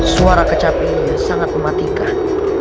suara kecapi ini sangat mematikan